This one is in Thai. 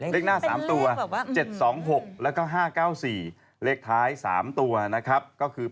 เลขหน้า๓ตัว๗๒๖แล้วก็๕๙๔เลขท้าย๓ตัวนะครับก็คือ